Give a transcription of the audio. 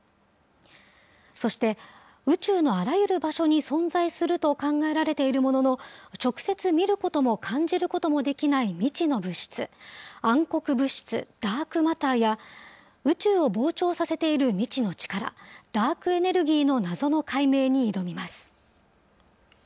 そして、宇宙のあらゆる場所に存在すると考えられているものの、直接見ることも感じることもできない未知の物質、暗黒物質・ダークマターや、宇宙を膨張させている未知の力、ダークエネルギーの謎の解明に挑みます。